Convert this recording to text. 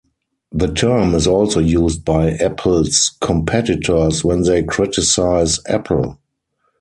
The term is also used by Apple's competitors when they criticize Apple.